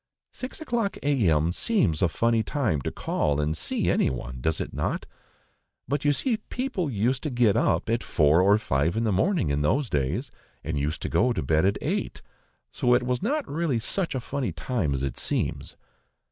Six o'clock a.m. seems a funny time to call and see any one, does it not? But you see people used to get up at four or five in the morning in those days, and used to go to bed at eight, so it was not really such a funny time as it seems.